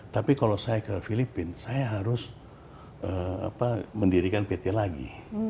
tapi kalau saya ke filipina saya harus mendirikan pt lagi